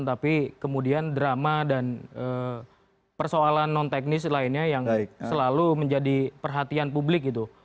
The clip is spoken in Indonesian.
tapi kemudian drama dan persoalan non teknis lainnya yang selalu menjadi perhatian publik gitu